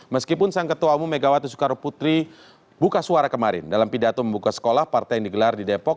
meskipun sang ketua umum megawati soekarno putri buka suara kemarin dalam pidato membuka sekolah partai yang digelar di depok